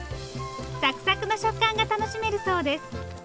サクサクの食感が楽しめるそうです。